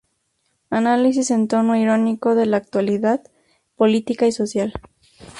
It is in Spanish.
Análisis en tono irónico de la actualidad política y social.